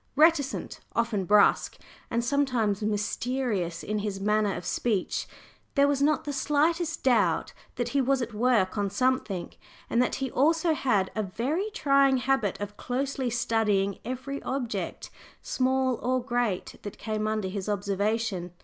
Reticent, often brusque, and sometimes mysterious in his manner of speech, there was not the slightest doubt that he was at work on something, and that he also had a very trying habit of closely studying every object, small or great, that came under his observation.